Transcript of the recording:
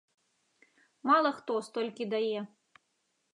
Мала хто столькі дае.